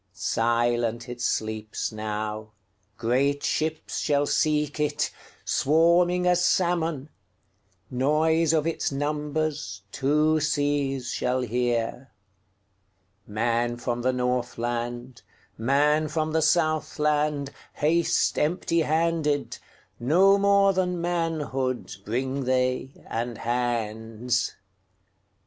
Silent it sleeps now; Great ships shall seek it, Swarming as salmon; Noise of its numbersTwo seas shall hear. Man from the Northland, Man from the Southland, Haste empty handed; No more than manhoodBring they, and hands.